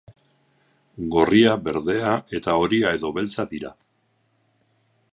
Gorria, berdea eta horia edo beltza dira.